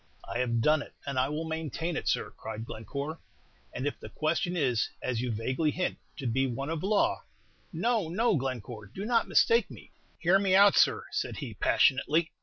"I have done it, and I will maintain it, sir," cried Glencore; "and if the question is, as you vaguely hint, to be one of law " "No, no, Glencore; do not mistake me." "Hear me out, sir," said he, passionately.